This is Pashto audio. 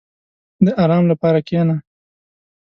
• د آرام لپاره کښېنه.